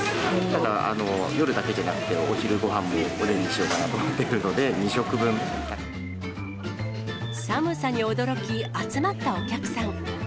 だから夜だけでなく、お昼ごはんもおでんにしようかなと思ってい寒さに驚き、集まったお客さん。